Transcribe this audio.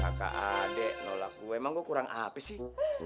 kakak adik nolak gue emang gue kurang apa sih